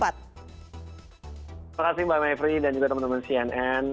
terima kasih mbak mevri dan juga teman teman cnn